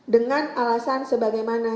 dengan alasan sebagaimana